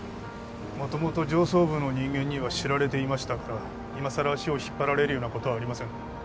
元々上層部の人間には知られていましたからいまさら足を引っ張られるようなことはありません